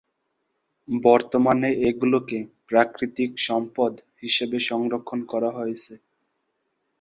বর্তমানে এগুলোকে প্রাকৃতিক সম্পদ হিসেবে সংরক্ষণ করা হয়েছে।